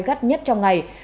gắt nhất trong ngày